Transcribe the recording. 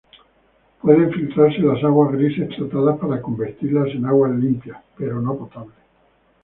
Pueden filtrarse las aguas grises tratadas para convertirlas en agua limpia pero no potable.